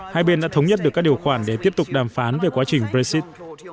hai bên đã thống nhất được các điều khoản để tiếp tục đàm phán về quá trình brexit